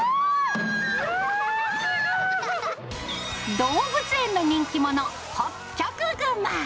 動物園の人気者、ホッキョクグマ。